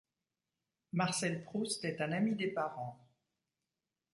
Marcel Proust est un ami des parents.